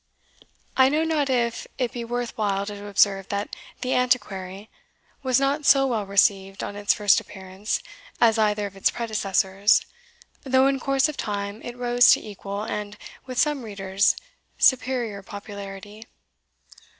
I know not if it be worth while to observe, that the Antiquary,* was not so well received on its first appearance as either of its predecessors, though in course of time it rose to equal, and, with some readers, superior popularity.